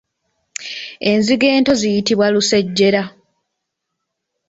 Enzige ento ziyitibwa Lusejjera.